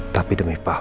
tapi demi papa